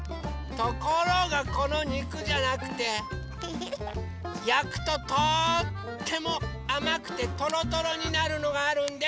ところがこのにくじゃなくてやくととってもあまくてトロトロになるのがあるんです！